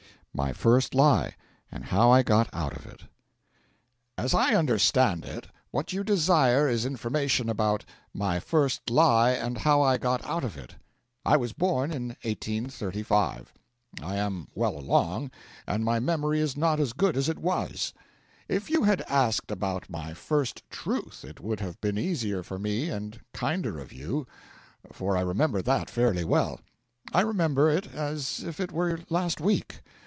MY FIRST LIE, AND HOW I GOT OUT OF IT As I understand it, what you desire is information about 'my first lie, and how I got out of it.' I was born in 1835; I am well along, and my memory is not as good as it was. If you had asked about my first truth it would have been easier for me and kinder of you, for I remember that fairly well. I remember it as if it were last week.